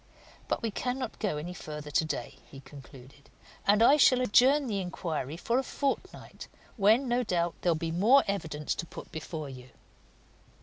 But we cannot go any further today," he concluded, "and I shall adjourn the inquiry for a fortnight, when, no doubt, there'll be more evidence to put before you."